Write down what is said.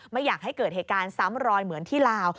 ไม่อยากให้เกิดเหตุการณ์ซ้ำรอยเหมือนที่ลาว